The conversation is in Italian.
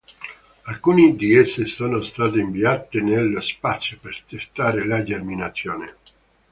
Alcune di esse sono state inviate nello spazio per testare la germinazione.